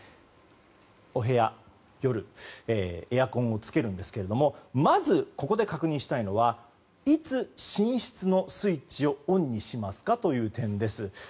お部屋、夜エアコンをつけるんですがまず、確認したいのはいつ寝室のスイッチをオンにしますかという点です。